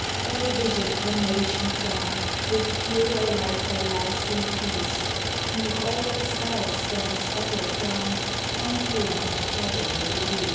O vision of a nation crowned With purer light by lasting Peace, 'Neath altered skies whence Battle frowned And Pain had terrible release!